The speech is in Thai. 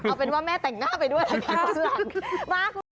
เอาเป็นว่าแม่แต่งหน้าไปด้วยแล้วกัน